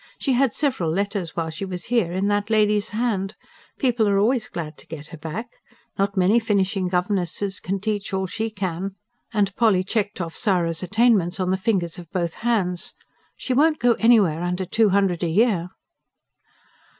She had several letters while she was here, in that lady's hand. People are always glad to get her back. Not many finishing governesses can teach all she can" and Polly checked off Sara's attainments on the fingers of both hands. "She won't go anywhere under two hundred a year."